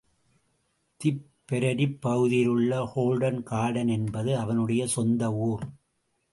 திப்பெரரிப் பகுதியிலுள்ள golden garden என்பது அவனுடைய சொந்த ஊர்.